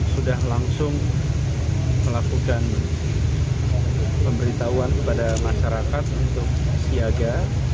sudah langsung melakukan pemberitahuan kepada masyarakat untuk siaga